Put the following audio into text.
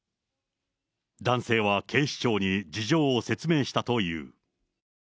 男性は警視庁に事情を説明したという。